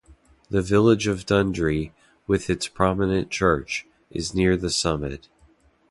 The village of Dundry, with its prominent church, is near the summit.